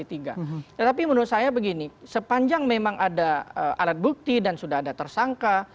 tetapi menurut saya begini sepanjang memang ada alat bukti dan sudah ada tersangka